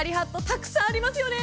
たくさんありますよね。